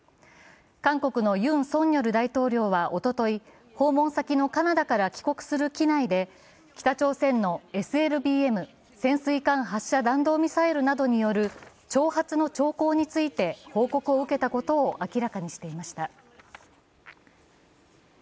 韓国のユン・ソンニョル大統領はおととい、訪問先のカナダから帰国する機内で北朝鮮のＳＬＢＭ＝潜水艦発射弾道ミサイルなどによる挑発の兆候について報告を受けたことを明らかにしていました。